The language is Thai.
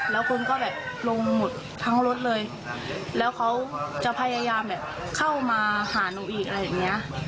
แล้วคุณก็แบบลงหมดทั้งรถเลยแล้วเขาจะพยายามแบบเข้ามาหาหนูอีกอะไรอย่างเงี้ย